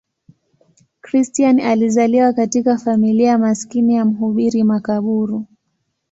Christian alizaliwa katika familia maskini ya mhubiri makaburu.